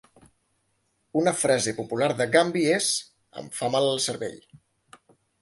Una frase popular de Gumby és: "Em fa mal el cervell!"